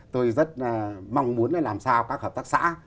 tôi rất mong muốn làm sao các hợp tác xã